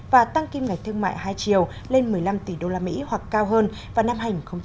và tăng kim ngạch thương mại hai triệu lên một mươi năm tỷ usd hoặc cao hơn vào năm hai nghìn hai mươi